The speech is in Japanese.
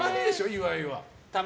岩井は。